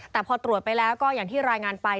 แต่พอตรวจไปแล้วก็อย่างที่รายงานไป